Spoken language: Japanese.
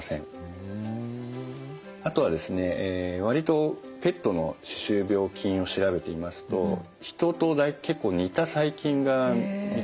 あとはですね割とペットの歯周病菌を調べていますと人と結構似た細菌が見つかってるんですよね。